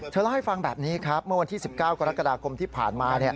เล่าให้ฟังแบบนี้ครับเมื่อวันที่๑๙กรกฎาคมที่ผ่านมา